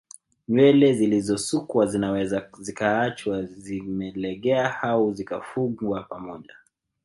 Nywele zilizosukwa zinaweza zikaachwa zimelegea au zikafungwa pamoja